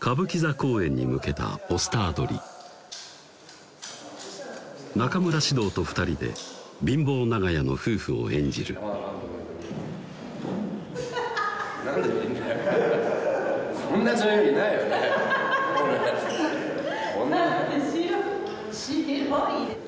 歌舞伎座公演に向けたポスター撮り中村獅童と２人で貧乏長屋の夫婦を演じるフフッハハッ何で見るんだよ何？